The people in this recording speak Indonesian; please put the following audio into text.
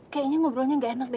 kayaknya ngobrolnya gak enak deh